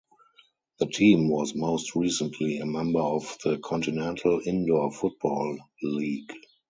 The team was most recently a member of the Continental Indoor Football League.